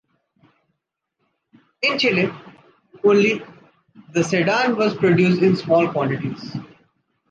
In Chile, only the sedan was produced in small quantities.